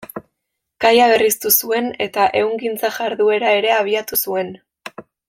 Kaia berriztu zuen eta ehungintza jarduera ere abiatu zuen.